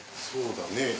そうだね。